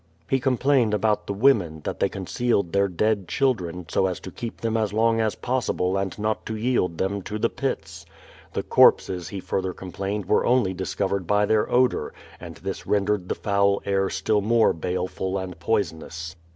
He complained about the women, that they concealed their dead children, so as to keep them as long as possible and not to yield them to the Pits. The corpses, he further complained, were only discovered by their odor, and this ren dered the foul air still more baleful and poisonous.